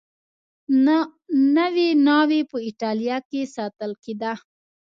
نوې ناوې په اېټالیا کې ساتل کېده